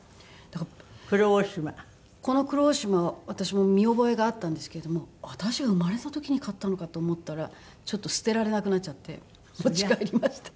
この黒大島は私も見覚えがあったんですけれども私が生まれた時に買ったのかと思ったらちょっと捨てられなくなっちゃって持ち帰りました。